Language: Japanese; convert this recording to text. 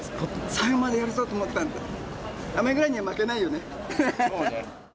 最後までやるぞと思ってたんで、雨ぐらいには負けないよね。